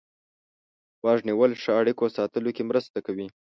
غوږ نیول ښه اړیکو ساتلو کې مرسته کوي.